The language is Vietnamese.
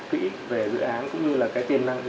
kỹ về dự án cũng như là cái tiền năng